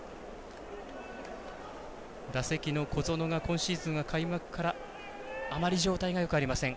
打席の小園は今シーズンは開幕からあまり状態がよくありません。